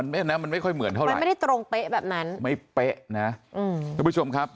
มันไม่เหมือนเท่าไหร่